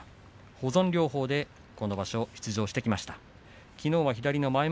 保存療法で今場所出場してきました。